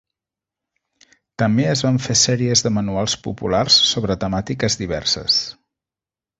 També es van fer sèries de manuals populars sobre temàtiques diverses.